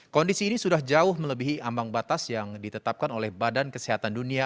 kondisi ini sudah jauh melebihi ambang batas yang ditetapkan oleh badan kesehatan dunia